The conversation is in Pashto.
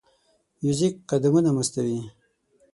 موزیک قدمونه مستوي.